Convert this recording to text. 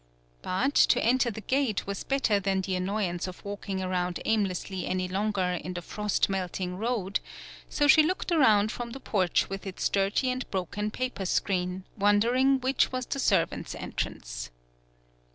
But, to enter the gate was better than the annoyance of walking around aim lessly any longer in the frost melting road, so she looked around from the porch with its dirty and broken paper screen, wondering which was the serv ants' entrance.